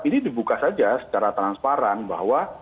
ini dibuka saja secara transparan bahwa